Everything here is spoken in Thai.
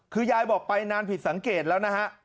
คือยายบอกไปนานผิดสังเกตแล้วนะฮะ